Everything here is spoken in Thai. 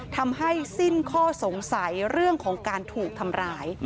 ทำให้สิ้นข้อสงสัยเรื่องของการถูกทำร้าย